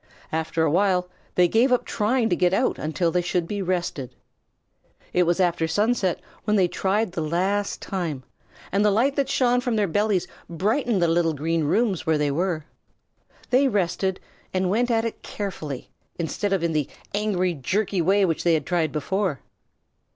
After a while they gave up trying to get out until they should be rested. It was after sunset when they tried the last time, and the light that shone from their bellies brightened the little green rooms where they were. They rested and went at it carefully, instead of in the angry, jerky way which they had tried before.